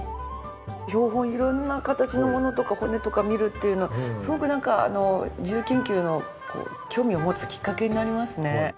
標本色んな形のものとか骨とか見るっていうのはすごくなんか自由研究の興味を持つきっかけになりますね。